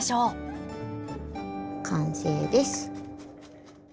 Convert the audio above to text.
完成です。